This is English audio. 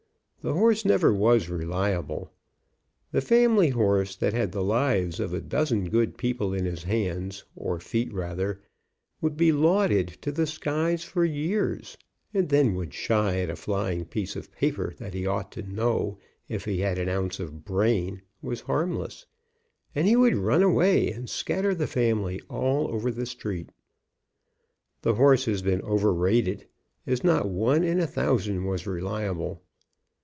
The horse never was reliable. The family horse that had the lives of a dozen good people in his hands, or feet, rather, would be lauded to the skies for years, and then would shy at a flying piece of paper that he ought to know, if he had an ounce of brain, was harmless, and he would run away and scat ter the family all over the street. The horse has been overrated, as not one in a thousand was reliable.